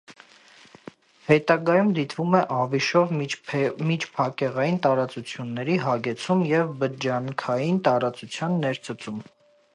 Հետագայում դիտվում է ավիշով միջփակեղային տարածությունների հագեցում և բջջանքային տարածության ներծծում։